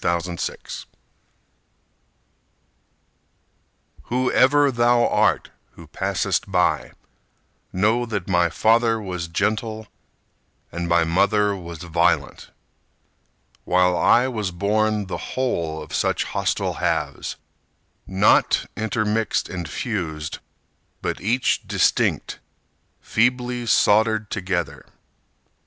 Henry Layton Whoever thou art who passest by Know that my father was gentle, And my mother was violent, While I was born the whole of such hostile halves, Not intermixed and fused, But each distinct, feebly soldered together.